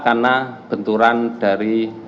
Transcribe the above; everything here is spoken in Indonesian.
karena benturan dari